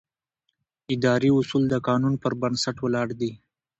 اداري اصول د قانون پر بنسټ ولاړ دي.